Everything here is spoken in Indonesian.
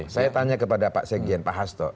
saya tanya kepada pak sekjen pak hasto